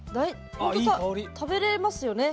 食べれますよね？